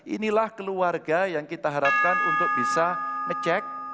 inilah keluarga yang kita harapkan untuk bisa ngecek